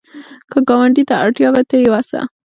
که ګاونډي ته اړتیا وي، ته یې وسه